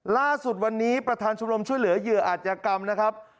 ล่าสุดวันนี้ประธานชมรมช่วยเหลือเหยื่ออาจยกรรมนะครับ